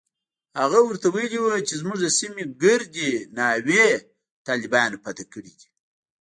هغه ورته ويلي و چې زموږ د سيمې ګردې ناوې طالبانو فتح کړي دي.